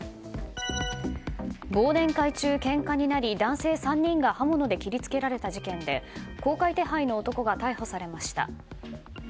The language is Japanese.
忘年会中にけんかになり男性３人が刃物で切り付けられた事件で公開手配の男が逮捕されました。